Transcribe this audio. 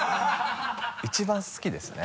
一番好きですね。